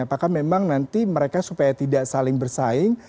apakah memang nanti mereka supaya tidak saling bersaing